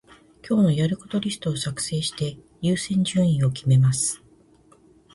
今日のやることリストを作成して、優先順位を決めます。